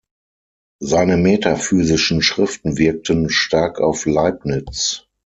Seine metaphysischen Schriften wirkten stark auf Leibniz.